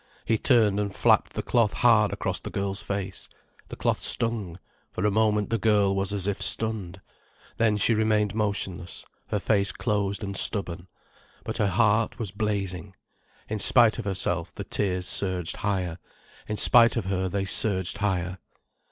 He turned and flapped the cloth hard across the girl's face. The cloth stung, for a moment the girl was as if stunned. Then she remained motionless, her face closed and stubborn. But her heart was blazing. In spite of herself the tears surged higher, in spite of her they surged higher.